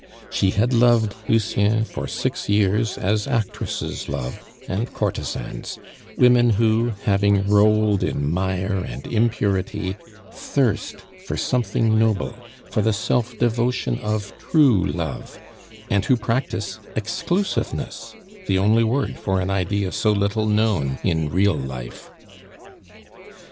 She had loved Lucien for six years as actresses love and courtesans women who, having rolled in mire and impurity, thirst for something noble, for the self devotion of true love, and who practice exclusiveness the only word for an idea so little known in real life.